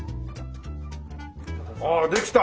ああできた！